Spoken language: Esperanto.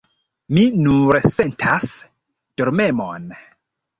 Mi nur sentas dormemon.